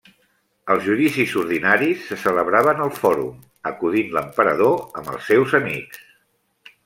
Els judicis ordinaris se celebraven al Fòrum, acudint l'Emperador amb els seus amics.